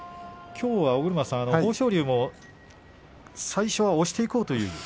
きょうは豊昇龍も最初は押していこうという。